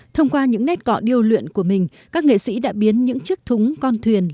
thông qua những nét cọ điêu luyện của mình các nghệ sĩ đã biến những chiếc thúng con thuyền